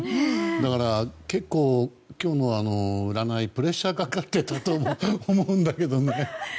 だから、結構今日の占いプレッシャーかかってたと思うんだけどね。